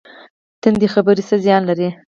تندې خبرې څه زیان لري؟